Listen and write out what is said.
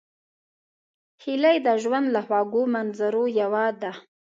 هیلۍ د ژوند له خوږو منظرو یوه ده